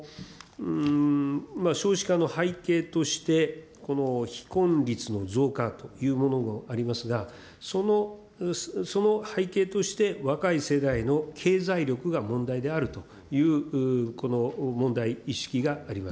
少子化の背景として、この非婚率の増加というものもありますが、その背景として若い世代の経済力が問題であるというこの問題意識があります。